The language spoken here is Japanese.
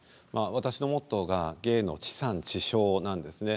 私のモットーが「芸の地産地消」なんですね。